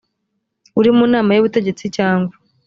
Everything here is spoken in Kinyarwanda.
uri mu nama y ubutegetsi cyangwa